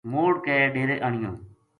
موڑ کے ڈیرے آنیو